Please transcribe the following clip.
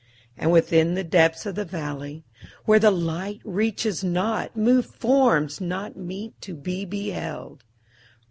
And within the depths of the valley, where the light reaches not, move forms not meet to be beheld.